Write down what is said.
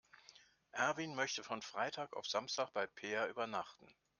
Erwin möchte von Freitag auf Samstag bei Peer übernachten.